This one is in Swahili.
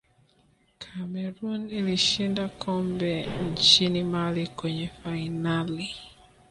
cameroon ilishinda kombe nchini mali kwenye fainali